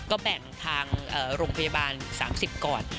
ก็แบ่งทางโรงพยาบาล๓๐ก่อน